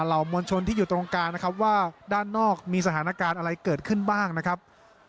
มวลชนที่อยู่ตรงกลางนะครับว่าด้านนอกมีสถานการณ์อะไรเกิดขึ้นบ้างนะครับ